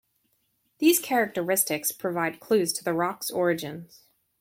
These characteristics provide clues to the rocks' origins.